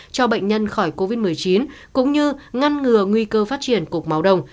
cho bệnh nhân khỏi covid một mươi chín cũng như ngăn ngừa nguy cơ phát triển cục máu đồng